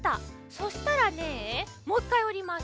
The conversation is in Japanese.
そしたらねもう１かいおります。